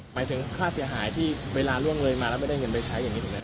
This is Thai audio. หมายถึงค่าเสียหายที่เวลาล่วงเลยมาแล้วไม่ได้เงินไปใช้อย่างนี้ถูกไหม